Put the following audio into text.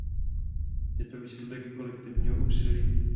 Je to výsledek kolektivního úsilí.